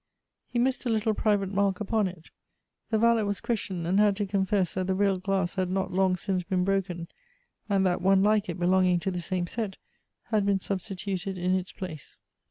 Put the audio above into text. He missed a little private mark ujjon it. The valet was questioned, and had to confess that the real glass had not long since been bro ken, and that one like it belonging to the same set had been substituted in its place.